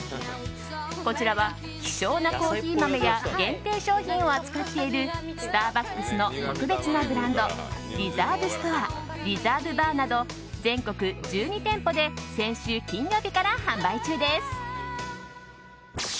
こちらは希少なコーヒー豆や限定商品を扱っているスターバックスの特別なブランドリザーブストアリザーブバーなど全国１２店舗で先週金曜日から販売中です。